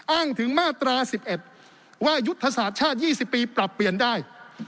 อ้างถึงมาตรา๑๑ว่ายุทธศาสตร์ชาติ๒๐ปีปรับเปลี่ยนได้